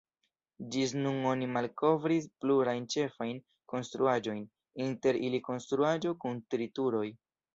Ĝis nun oni malkovris plurajn ĉefajn konstruaĵojn, inter ili konstruaĵo kun tri turoj.